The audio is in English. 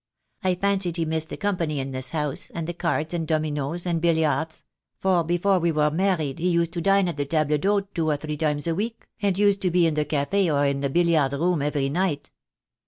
I fancied he* missed the company in this house, and the cards and dominoes, and billiards — for before we were married he used to dine at the table d'hote two or three times a week, and used to be in the cafe or in the billiard room every night."